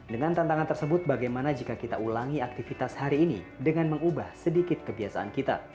dengan tantangan tersebut bagaimana jika kita ulangi aktivitas hari ini dengan mengubah sedikit kebiasaan kita